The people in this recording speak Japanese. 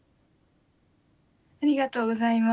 ありがとうございます。